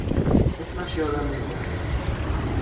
اسمش یادم نمی آید.